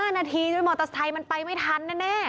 ๕นาทีด้วยมอเตอร์ไซค์มันไปไม่ทันแน่